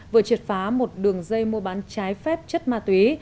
vừa triệt phá một đường dây mua bán trái phép chất ma túy